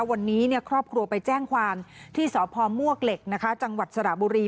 วันนี้ครอบครัวไปแจ้งความที่สพมวกเหล็กจังหวัดสระบุรี